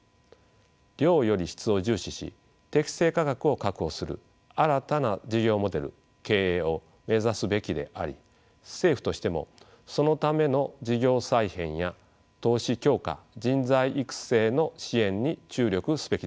量より質を重視し適正価格を確保する新たな事業モデル経営を目指すべきであり政府としてもそのための事業再編や投資強化人材育成の支援に注力すべきでしょう。